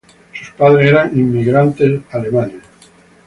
Sus padres eran inmigrantes alemanes.